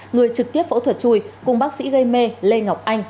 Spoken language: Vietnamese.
người trực tiếp phẫu thuật chui cùng bác sĩ gây mê lê ngọc anh